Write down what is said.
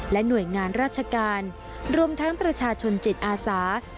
หน่วยงานราชการรวมทั้งประชาชนจิตอาสา